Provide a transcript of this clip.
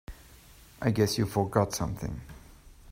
I guess you forgot something.